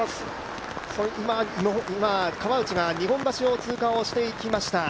今、川内が日本橋を通過していきました。